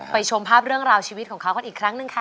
ชมภาพเรื่องราวชีวิตของเขากันอีกครั้งหนึ่งค่ะ